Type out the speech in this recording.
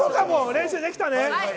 練習できたね。